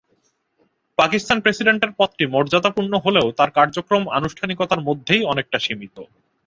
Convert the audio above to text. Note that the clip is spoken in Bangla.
পাকিস্তানে প্রেসিডেন্টের পদটি মর্যাদাপূর্ণ হলেও তাঁর কার্যক্রম আনুষ্ঠানিকতার মধ্যেই অনেকটা সীমিত।